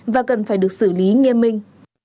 và cần phải được xử lý nghiêm minh